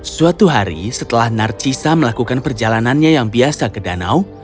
suatu hari setelah narcisa melakukan perjalanannya yang biasa ke danau